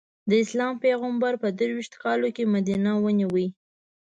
د اسلام پېغمبر په درویشت کالو کې مدینه ونیو.